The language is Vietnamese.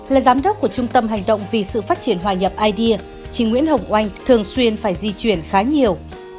là giám đốc của trung tâm hành động vì sự phát triển hòa nhập idea chị nguyễn hồng oanh thường xuyên phải di chuyển khá nhiều